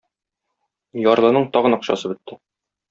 Ярлының тагын акчасы бетте.